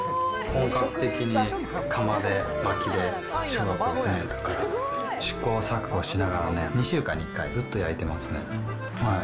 本格的に釜で、まきで、小学校６年から試行錯誤しながらね、２週間に１回、ずっと焼いてますね。